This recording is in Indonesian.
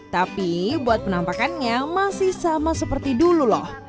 tapi buat penampakannya masih sama seperti dulu loh